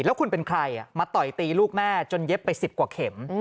แล้วคุณเป็นใครมาต่อยตีลูกแม่จนเย็บไป๑๐กว่าเข็ม